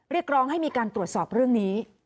เรียกร้องให้มีการตรวจสอบเรื่องนี้